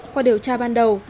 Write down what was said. qua điều tra ban đầu